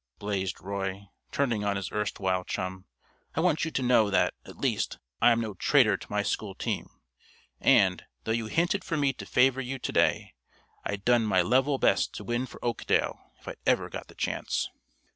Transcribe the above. blazed Roy, turning on his erstwhile chum. "I want you to know that, at least, I'm no traitor to my school team, and, though you hinted for me to favor you to day, I'd done my level best to win for Oakdale if I'd ever got the chance."